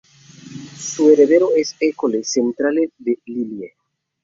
Su heredero es École centrale de Lille.